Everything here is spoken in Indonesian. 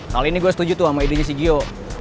kali ini gue setuju tuh sama idenya si gio